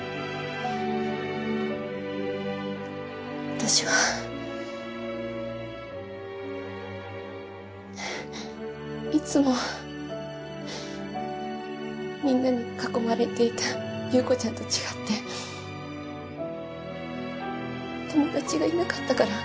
私はいつもみんなに囲まれていた侑子ちゃんと違って友達がいなかったから。